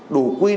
đủ quy định